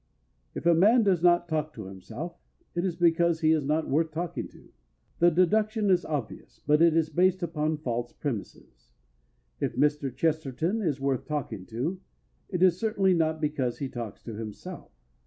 "If a man does not talk to himself it is because he is not worth talking to." The deduction is obvious, but it is based upon false premises. If Mr. Chesterton is worth talking to, it is certainly not because he talks to himself.